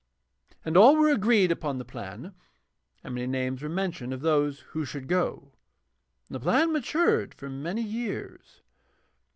And all were agreed upon the plan, and many names were mentioned of those who should go, and the plan matured for many years.